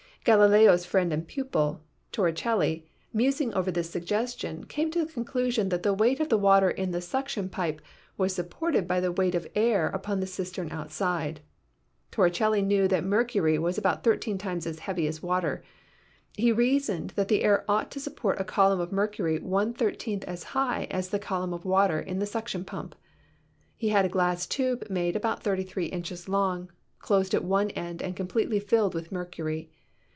Galileo's friend and pupil, Torricelli, musing over this suggestion, came to the conclusion that the weight of the water in the suction pipe was supported by the weight of air upon the cistern outside. Torricelli knew that mercury was about thirteen times as heavy as water ; he reasoned that the air ought to support a column of mercury one thirteenth as high as the column of water in the* suction pump. He had a glass tube made about 33 inches long, closed at one end and completely filled with mercury.